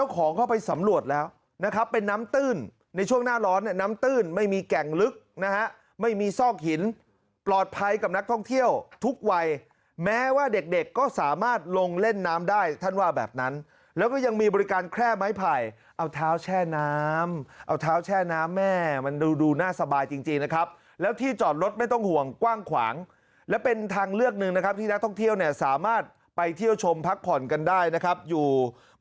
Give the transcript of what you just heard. กับนักท่องเที่ยวทุกวัยแม้ว่าเด็กก็สามารถลงเล่นน้ำได้ท่านว่าแบบนั้นแล้วก็ยังมีบริการแค่ไม้ไผ่เอาเท้าแช่น้ำเอาเท้าแช่น้ำแม่มันดูดูน่าสบายจริงนะครับแล้วที่จอดรถไม่ต้องห่วงกว้างขวางแล้วเป็นทางเลือกหนึ่งนะครับที่นักท่องเที่ยวเนี่ยสามารถไปเที่ยวชมพักผ่อนกันได้นะครับอยู่